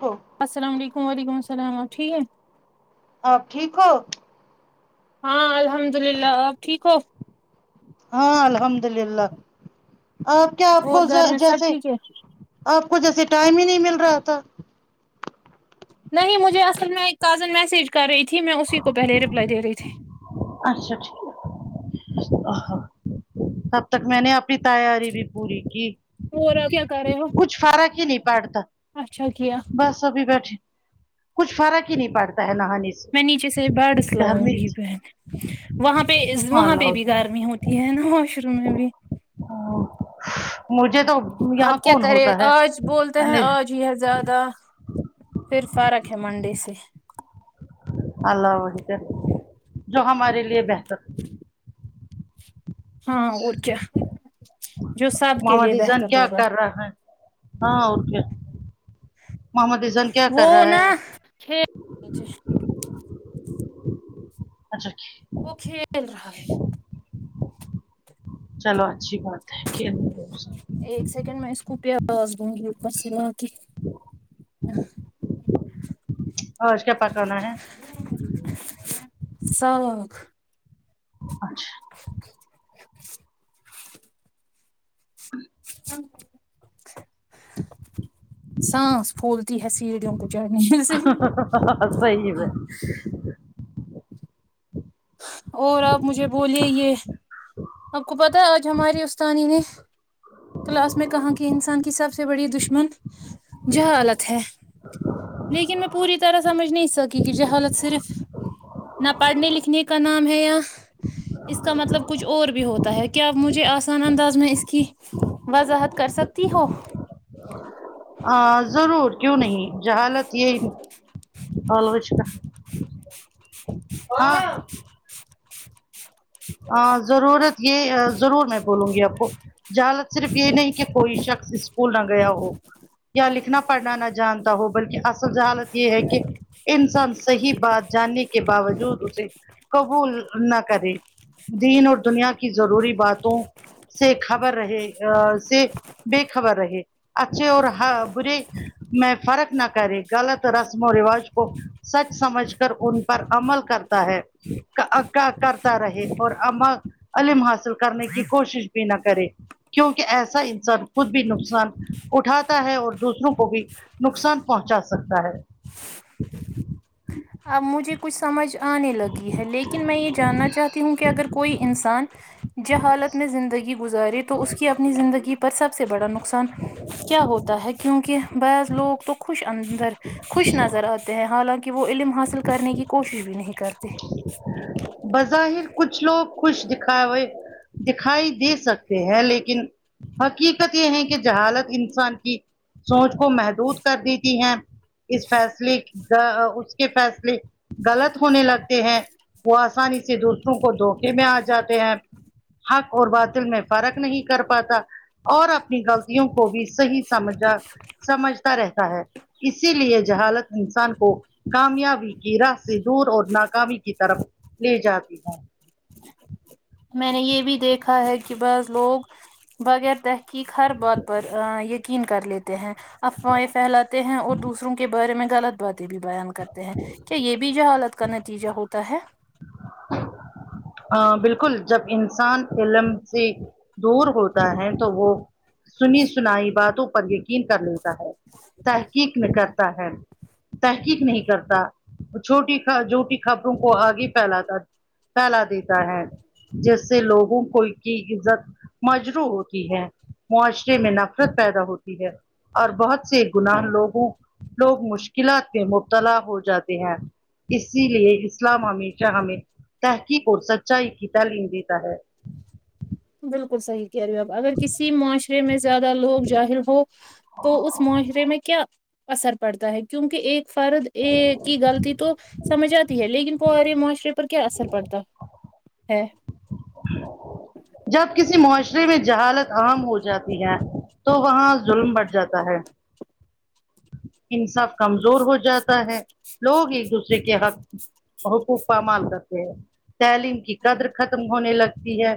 ہو السلام علیکم و علیکم سلام آپ ٹھیک ہے آپ ٹھیک ہو ہاں الحمد للہ آپ ٹھیک ہو ہاں الحمد للہ آپ کیا آپ اور کو ج گھر میں سب جیسے ٹھیک ہے آپ کو جیسے ٹائم ہی نہیں مل رہا تھا نہیں مجھے اصل میں ایک کازن میسج کر رہی تھی میں اسی کو پہلے رپلائی دے رہی تھی اچھا ٹھیک ا ہ تب تک میں نے اپنی تیاری بھی پوری کی اور آپ کیا کر رہے ہو کچھ فرق ہی نہیں پڑتا اچھا کیا بس ابھی بیٹھے کچھ فرق ہی نہیں پڑتا ہے نہانے سے میں نیچے سے بڑس لاؤں گرمی گی بہن وہاں پہ از ہاں وہاں پہ بھی گرمی ہوتی تی ہے نا واش روم میں بھی ہاں مجھے تو یہاں کون ہوتا ہے انے جی ہے زیادہ پھر فرق ہے منڈے سے اللہ وہی کر ے جو ہمارے لیے بہتر ہاں اور کیا جو سب کے لیے محمد اذان بہتر کیا ہوگا کر رہا ہے ہاں اور کیا محمد از ہان کیا کر رہا ہے پیچھے اچھا ٹھیک وہ کھیل رہا ہے چلو اچھی بات ہے کہ ایک سیکنڈ میں اس کو پ آواز دوں گی اوپر سے اب کہ اہ آج کیا پکانا ہے ساگ اچھا سانس پھولتی ہے سیڑھیوں کو چڑھنے س صحیح میں اور آپ مجھے بولئے یہ آپ کو پتہ ہے آج ہمارے استانی نے کلاس میں کہاں کی انسان کی سب سے بڑی دشمن جہالت ہے لیکن میں پوری طرح سمجھ نہیں سک کیونکہ جہالت صرف نہ پڑھنے لکھنے کا نام ہے یا اس کا مطلب کچھ پر بھی ہوتا ہے کیا اپ مجھے آسان انداز میں اس کی وضاحت کر سکتی ہو آ ضرور کیوں نہیں جہالت یہ [unintelligible] ہاں اں ضرورت یہ ا ضرور میں بولوں گی آپ کو جہالت صرف یہ نہیں کہ کوئی شخص اسکول نہ گیا ہو یا لکھنا پڑھنا نہ جانتا ہو بلکہ اصل جہالت یہ ہے کہ انسان صحیح بات جاننے کے باوجود اسے قبول نہ کرے دین اور دنیا کی ضروری باتوں سے خبر رہے ا سے بے خبر رہے اچھے اور ہ برے میں فرق نہ کرے غلط رسم و رواج کو سچ سمجھ کر ان پر عمل کرتا ہے ا ک کرتا رہے اور اما علم حاصل کرنے کی کوشش بھی نہ کرے کیونکہ ایسا انسان خود بھی نقصان اٹھاتا ہے اور دوسروں کو بھی نقصان پہنچا سکتا ہے اب مجھے کچھ سمجھ آنے لگی ہے لیکن میں یہ جاننا چاہتی ہوں کہ اگر کوئی انسان جہالت میں زندگی گزارے تو اس کی اپنی زندگی پر سب سے بڑا نقصان کیا ہوتا ہے کیونکہ بعض لوگ تو خوش اندر خوش نظر آتے ہیں حالانکہ وہ علم حاصل کرنے کی کوشش بھی نہیں کرتے بظاہر کچھ لوگ خوش دکھاوے دکھائی دے سکتے ہیں لیکن حقیقت یہ ہے کہ جہالت انسان کی سونچ کو محدود کر دیتی ہے اس فیصلے گ اس کے فیصلے غلط ہونے لگتے ہیں وہ آسانی سے دوسروں کو دھوکے میں آ جاتے ہیں حق اور باطل میں فرق نہیں کر پاتا اور اپنی غلطیوں کو بھی صحیح سمجھا سمجھتا رہتا ہے اسی لیے جہالت انسان کو کامیابی کی راہ سے دور اور ناکامی کی طرف لے جاتی ہے میں نے یہ بھی دیکھا ہے کہ بس لوگ بغیر تحقیق ہر بات پر ا یقین کر لیتے ہیں افواہیں فیلاتے ہیں اور دوسروں کے بارے میں غلط باتیں بھی بیان کرتے ہیں کیا یہ بھی جہالت کا نتیجہ ہوتا ہے ہاں بالکل جب انسان علم سے دور ہوتا ہے تو وہ سنی سنائی باتوں پر یقین کر لیتا ہے تحقیق میں کرتا ہے تحقیق نہیں کرتا چھوٹی جھوٹی خبروں کو آگے پھیلاتا پھیلا دیتا ہے جیس سے لوگوں کو کی عزت مجروح ہوتی ہے معاشرے میں نفرت پیدا ہوتی ہے اور بہت سے گناہ لوگوں لوگ مشکلات میں مبتلا ہو جاتے ہیں اسی لیے اسلام ہمیشہ ہمیں سیکھ اور سچائی کی تعلیم دیتا ہے بالکل صحیح کہہ رے ہو آپ اگر کسی معاشرے میں زیادہ لوگ جاہل ہو تو اس معاشرے میں کیا اثر پڑتا ہے کیونکہ ایک فرد ایک کی غلطی تو سمجھ آتی ہے لیکن فوری معاشرے پر کیا اثر پڑتا ہے جب کسی معاشرے میں جہالت عام ہو جاتی ہے تو وہاں ظلم بڑھ جاتا ہے انصاف کمزور ہو جا تا ہے لوگ ایک دوسرے کے حق حقوق پامال کرتے ہیں تعلیم کی قدر ختم ہونے لگتی ہے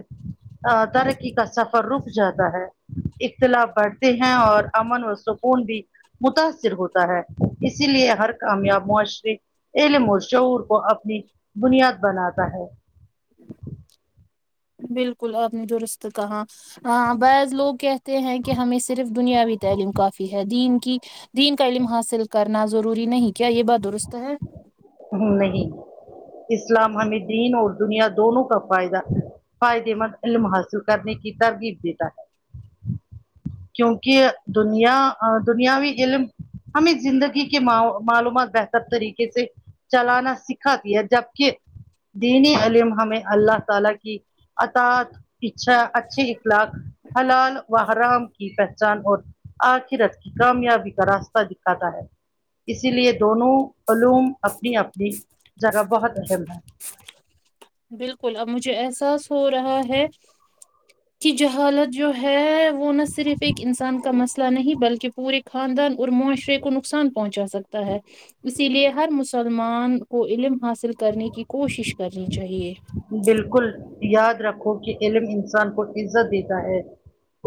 ا ترقی کا سفر رک جاتا ہے اختلاف بڑھتے ہیں اور امن و سکون بھی متاثر ہوتا ہے اسی لیے ہر کامیاب معاشرے علم اور شعور کو اپنی بنیاد بناتا ہے بالکل آپ نے درست کہااں بعض لوگ کہتے ہیں کہ ہمیں صرف دنیاوی تعلیم کافی ہے دین کی دین کا علم حاصل کرنا ضروری نہیں کیا یہ بات درست ہے ہ نہیں اسلام ہمیں دین اور دنیا دونوں کا فائدہ فائدے مند علم حاصل کرنے کی ترغیب دیتا ہے کیونکہ دنیا ا دنیاوی علم ہمیں زندگی کے ما معلومات بہتر طریقے سے چلانا سکھا دیا جبکہ دینی علم ہمیں اللہ تعالی کی اطاعت پچھا اچھی اخلاق حلال وحرام کی پہچان اور آخرت کی کامیابی کا راستہ دکھاتا ہے اسی لیے دونوں علوم اپنی اپنی جگہ بہت اہم ہے بالکل اب مجھے احساس ہو رہا ہے کہ جہالت جو ہے وہ نہ صرف ایک انسان کا مسئلہ نہیں بلکہ پورے خاندان اور معاشرے کو نقصان پہنچا سکتا ہے اسی لیے ہر مسل مان کو علم حاصل کرنے کی کوشش کرنی چاہیے بالکل یاد رکھو کہ علم انسان کو عزت دیتا ہے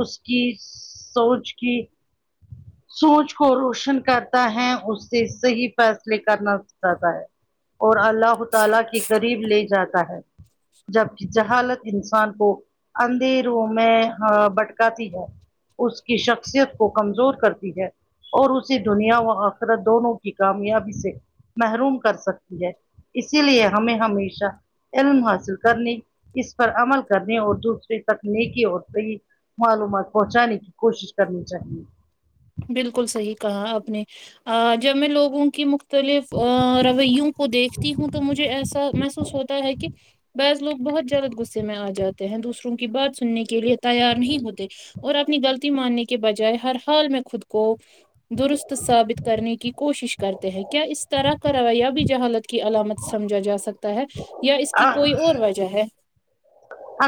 اس کی سونچ کی سونچ کو روشن کرتا ہے اس سے صحیح فیصلے کرنا سکھاتا ہے اور اللہ تعالی کے قریب لے جاتا ہے جبکہ جہالت انسان کو اندھیروں میں ہاں بھٹکاتی ہے اس کی شخصیت کو کمزور کرتی ہے اور اسی دنیا و آخرت دونوں کی کامیابی سے محروم کر سکتی ہے اسی لیے ہمیں ہمیشہ علم حاصل کرنے اس پر عمل کرنے اور دوسرے تکنیکی اور کئی معلومات پہنچانے کی کوشش کرنی چاہیے بالکل صحیح کہا آپ نے جب میں لوگوں کی مق مختلف رویوں کو دیکھتی ہوں تو مجھے ایسا محسوس ہوتا ہے کہ بعض لوگ بہت زیادہ غصے میں آ جاتے ہیں دوسروں کی بات سننے کے لیے تیار نہیں ہوتے اور اپنی غلطی ماننے کے بجائے ہر حال میں خود کو درست ثابت کرنے کی کوشش کرتے ہیں کیا اس طرح کا رویا بھی جہالت کی علامت سمجھا جا سکتا ہے یا اس کی چاہیے کوئی اور وجہ ہے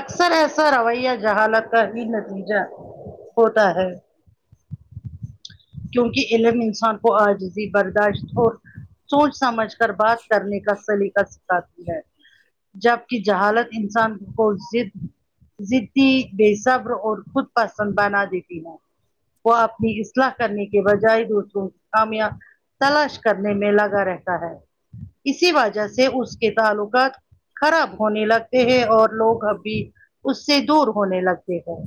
اکثر ایسا رویہ جہالت کا ہی نتیجہ ہوتا ہے کیونکہ علم انسان کو آج بھی برداشت ہو سوچ سمجھ کر بات کرنے کا سلیقہ سکھاتی ہے جبکہ جہالت انسان کو صرف زیدی بے صبر اور خود پسند بنا دیتی ہے وہ آپنی سلاح کرنے کے بجائے دوسروں کی خامیا تلاش کرنے میں لگا رہتا ہے اسی وجہ سے اس کے تعلقات خراب ہونے لگتے ہیں اور لوگ اب بھی اس سے دور ہونے لگتے ہیں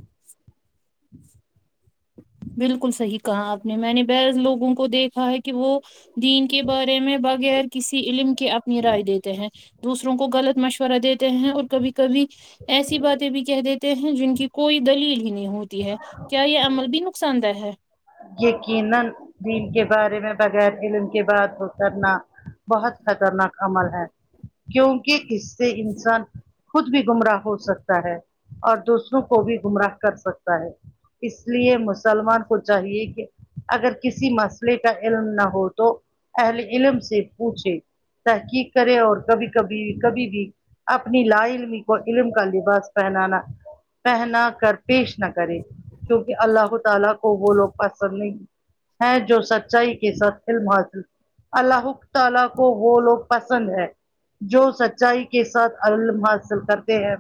بالکل صحیح کہا آپ نے میں نے بعض لوگوں کو دیکھا ہے کہ وہ دین کے بارے میں بغیر کسی علم کے اپنی رائے دیتے ہیں دوسروں کو غلط مشورہ دیتے ہیں اور کبھی کبھی ایسی باتیں بھی کہ دیتے تے ہیں جن کی کوئی دلیل ہی نہیں ہوتی ہے کیا یہ عمل بھی نقصان دہ ہے یقینا دین کے بارے میں بغیر علم کے بات کرنا بہت خطرناک عمل ہے کیونکہ اس سے انسان خود بھی گمراہ ہو سکتا ہے اور دوسروں کو بھی گمراہ کر سکتا ہے اس لیے مسلمان خود چاہیے کہ اگر کسی مسئلے کا علم نہ ہو تو اہل علم سے پوچھے تحقیق کرے اور کبھی کبھی کبھی بھی اپنی لا علمی کو علم کا لباس پہنانا پہنا کر پیش نہ کرے کیونکہ اللہ تعالی کو وہ لوگ پسند نہیں ہیں جو سچائی کے ساتھ علم حاصل اللہ تعالی کو وہ لوگ پسند ہے جو سچائی کے ساتھ علم حاصل کرتے ہیں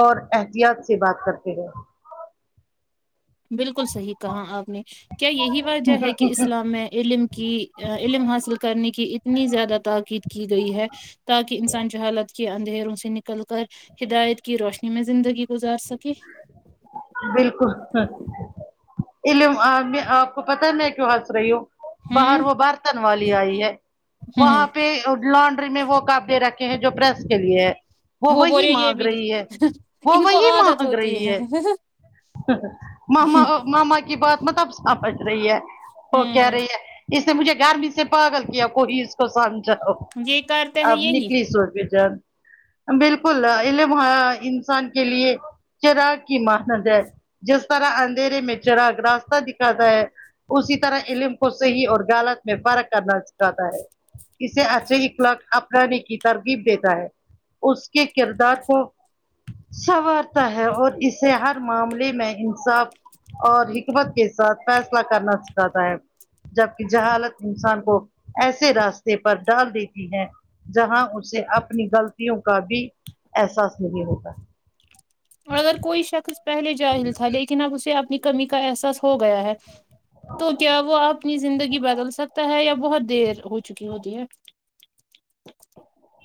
اور احتیاط سے بات کرتے ہے بالکل صحیح کہا آپ نے کیا یہی وجہ ہے کہ اسلام میں علم کی علم حاصل کرنے کی اتنی زیادہ تاکید کی گئی ہے تاکہ انسان جہالت کے اندھیروں سے نکل کر ہدایت کی روشنی میں زندگی گزار سکے بالکل ہ علم آپ آپ کو پتا ہے میں کیوں ہنس رہی ہوں باہر ہوں وہ برتن والی آئی ہے ہوں وہاں پہ لانڈری میں وہ کابیہ رکھ ہیں جو پریس کے لیے ہے وہ وہی بولے یہ مانگ بھی رہی ہے وہ ان کو وہی عادت مانگ ہوتی رہی ہے ماما ماما کی بات مطلب سمجھ رہی ہے وہ کہہ ہوں رہی ہے اس نے مجھے گرمی سے پاگل کیا کوئی اس کو سمجھا ہو یہ کرتے ہیں اب یہی نکلی سو رپ جان بالکل علم انسان کے لیے چراغ کی ماں مگر جس طرح اندھیرے میں چراغ راستہ دکھاتا ہے اسی طرح علم کو صحیح اور غالط میں فرق کرنا سکھاتا ہے اسے اچھے الاق اپنانے کی ترغیب دیتا ہے اس کے کردار کو سنوارتا ہے اور اسے ہر معاملے میں انصاف اور حکمت کے ساتھ فیصلہ کرنا سکھاتا ہے جبک جہالت انسان کو ایسے راستے پر ڈال دیتی ہے جہاں اسے اپنی غلطوں کا بھی احساس نہیں ہوتا اور اگر کوئی شخص پہلے جاہل تھا لیکن اب اسے اپنی کمی کا احساس ہو گیا ہے تو کیا وہ اپنی زندگی بدل سکتا ہے یا بہت دیر ہو چکی ہوتی ہے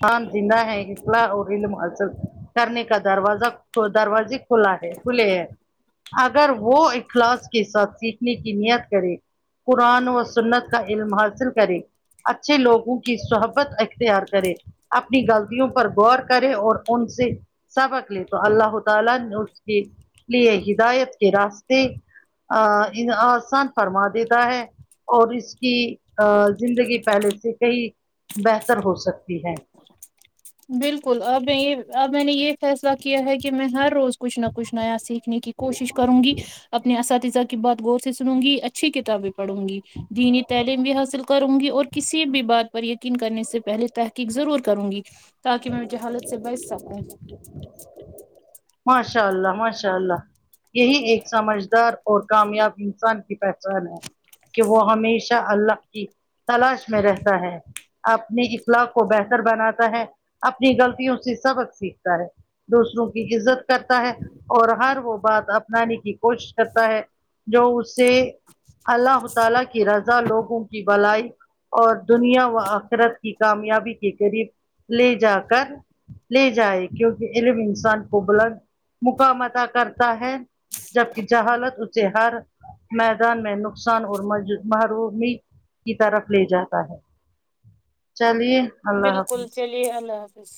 ہان جا ہے اخلا اور علم حاصل کرنے کا دروازہ دروازے کھلا ہے کھلے ہیں اگر وہ اخلاص کے ساتھ سیکھنے کی نیت کرے قرآن و سنت کا علم حاصل کرے اچھے لوگوں کی صحبت اختیار کرے اپنی غلطیوں پر غور کرے اور ان سے سبق لیے تو اللہ تعالی نے اس کے لیے ہدایت کے راستے ا ان آسان فرما دیتا ہے اور اس کی زندگی پہلے سے کئی بہتر ہو سکتی ہے بالکل اب یہ اب میں نے یہ فیصلہ کیا ہے کہ میں ہر روز کچھ نہ کچھ نیا سیکھ سنے کی کوشش کروں گی اپنے اساتذہ کی بات غور سے سنوں گی اچھی کتابیں پڑھو نگی دینی تعلیم بھی حاصل کروں گی اور کسی بھی بات پر یقین کرنے سے پہلے تحقیق ضرور کروں گی تاکہ میں جہالت سے بچ سکوں ماشاء اللہ ماشاء اللہ یہی ایک سمجھدار اور کامیاب انسان کی پہچان ہے کہ وہ ہمیشہ اللہ کی تلاش میں رہتا ہے اپنے اخلاق کو بہتر بناتا ہے اپنی غلطیوں سے سبق سیکھتا ہے دوسروں کی عزت کرتا ہے اور ہر وہ بات اپنانے کی کوشش کرتا ہے جو اس سے اللہ ہو تالی کی رضا لوگوں کی بلائی اور دنیا و آخرت کی کامیابی کے قریب لے جا کر لے جائے کیونکہ علم انسان کو بلند مقام اتا کرتا ہے جبکہ جہالت اسے ہر میدان میں نقصان اور محرومی کی طرف لے جاتا ہے چلیے اللہ بالکل حافظ چلیے اللہ حافظ